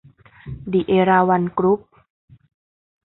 ดิ เอราวัณ กรุ๊ป